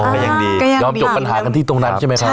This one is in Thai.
แต่ยังดียอมจบปัญหากันที่ตรงนั้นใช่ไหมครับ